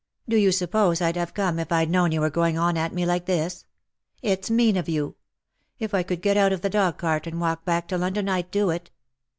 Do you suppose I'd have come if I'd known you were going on at me like this? It's mean of you. If I could get out of the dog cart and walk back to London, I'd do it."